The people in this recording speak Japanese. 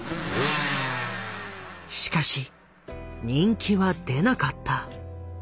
しかし人気は出なかった。